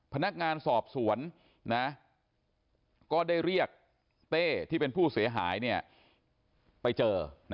พนักงานสอบสวนก็ได้เรียกเต้ที่เป็นผู้เสียหายไปเจอ